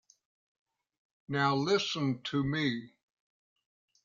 Now listen to me.